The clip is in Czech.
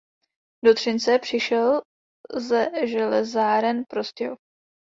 Do Třince přišel ze Železáren Prostějov.